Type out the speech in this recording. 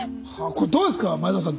これどうですか前園さん。